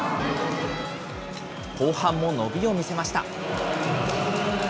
後半も伸びを見せました。